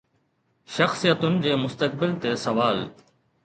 شخصيتن جي مستقبل تي سوال